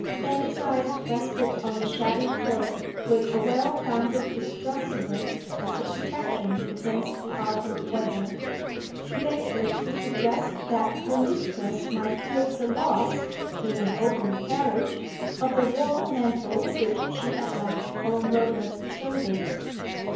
Fanny's eyes rested on the shabby cloak with a well founded distrust of it as a protection against the autumn weather. She ventured to suggest that her mistress might feel the loss (in an open carriage) of the warm mantle which she had left on Rhoda's shoulders.